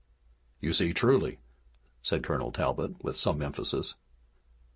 "You see truly," said Colonel Talbot, with some emphasis.